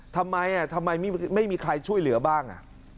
ทำไมทำไมไม่มีใครช่วยเหลือบ้าง